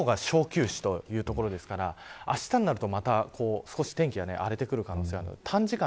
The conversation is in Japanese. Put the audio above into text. いったん今日が小休止というところですからあしたになると、また少し天気が荒れてくる可能性があります。